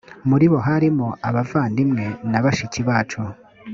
muri bo harimo abavandimwe na bashiki bacu